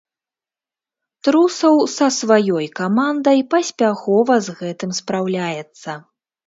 Трусаў са сваёй камандай паспяхова з гэтым спраўляецца.